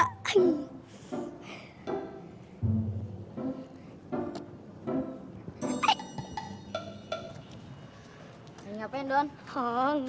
aneh apa yang kamu lakukan